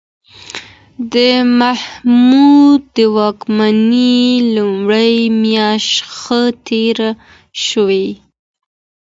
د محمود د واکمنۍ لومړۍ میاشتې ښه تېرې شوې.